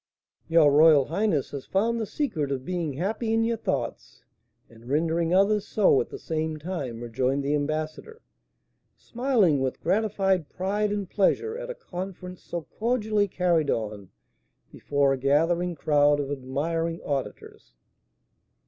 "Your royal highness has found the secret of being happy in your thoughts, and rendering others so at the same time," rejoined the ambassador, smiling with gratified pride and pleasure at a conference so cordially carried on before a gathering crowd of admiring auditors.